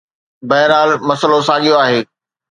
بهرحال، مسئلو ساڳيو آهي.